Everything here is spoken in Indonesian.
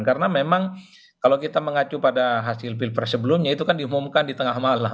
karena memang kalau kita mengacu pada hasil pilpres sebelumnya itu kan diumumkan di tengah malam